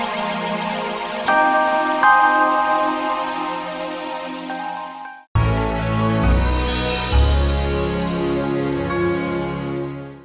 mereka juga berharap